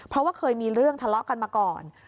เพราะว่าเคยมีเรื่องทะเลาะกันมาก่อน